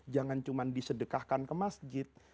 jangan cuma disedekahkan ke masjid